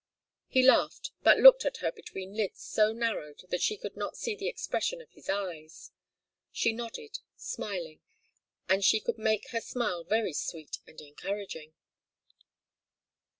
He laughed, but looked at her between lids so narrowed that she could not see the expression of his eyes. She nodded, smiling; and she could make her smile very sweet and encouraging.